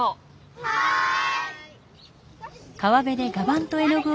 はい。